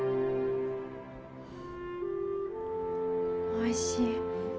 おいしい。